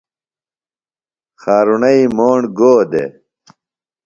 خارُݨئی موݨ گو دےۡ ؟